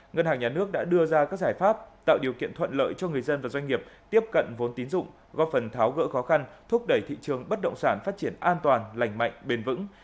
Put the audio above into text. ngân hàng nhà nước đã đưa ra các giải pháp tạo điều kiện thuận lợi cho người dân và doanh nghiệp tiếp cận vốn tín dụng góp phần tháo gỡ khó khăn thúc đẩy thị trường bất động sản phát triển an toàn lành mạnh bền vững